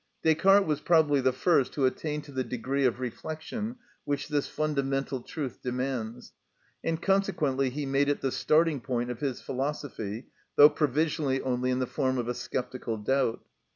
Descartes was probably the first who attained to the degree of reflection which this fundamental truth demands, and consequently he made it the starting point of his philosophy, though provisionally only in the form of a sceptical doubt.